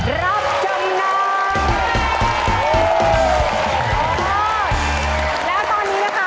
รับจำนำ